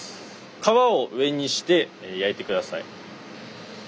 皮を上にして焼いて下さい。